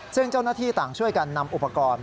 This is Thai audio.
ซึ่งเจ้าหน้าที่ต่างช่วยกันนำอุปกรณ์